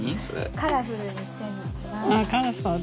カラフルにしてんねんな。